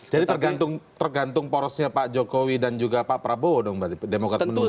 jadi tergantung porosnya pak jokowi dan juga pak prabowo dong mbak demokrasi menunggu itu